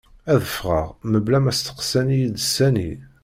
Ad fɣeɣ mebla ma steqsan-iyi-d sani.